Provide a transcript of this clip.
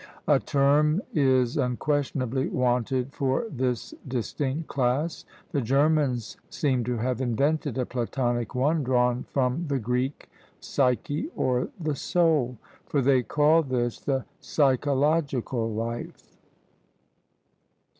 A term is unquestionably wanted for this distinct class. The Germans seem to have invented a Platonic one, drawn from the Greek, psyche, or the soul; for they call this the psychological life.